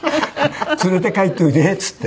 「連れて帰っておいで」っつって。